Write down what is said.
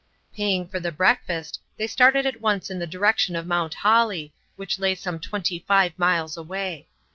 Paying for the breakfast, they started at once in the direction of Mount Holly, which lay some twenty five miles away.